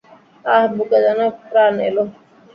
আহ, বুকে যেন প্রাণ এলো।